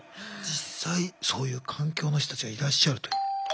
実際そういう環境の人たちがいらっしゃるという。